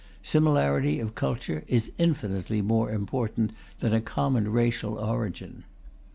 Similarity of culture is infinitely more important than a common racial origin.